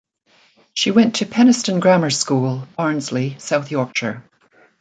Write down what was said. She went to Penistone Grammar School, Barnsley, South Yorkshire.